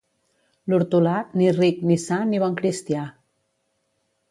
L'hortolà, ni ric ni sa ni bon cristià.